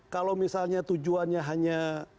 kalau misalnya tujuannya hanya